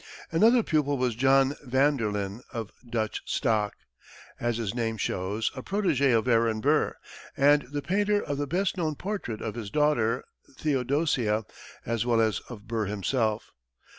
Another pupil was John Vanderlyn, of Dutch stock, as his name shows, a protégé of Aaron Burr, and the painter of the best known portrait of his daughter, Theodosia, as well as of Burr himself.